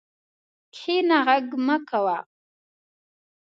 کښېنه، غږ مه کوه.